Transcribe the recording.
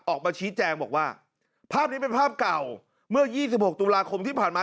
ออกมาชี้แจงบอกว่าภาพนี้เป็นภาพเก่าเมื่อ๒๖ตุลาคมที่ผ่านมา